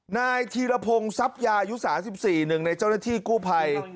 นายธีรพงศพยายุสา๑๔ในเจ้าหน้าที่กู้ภัย